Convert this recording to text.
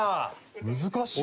難しいな。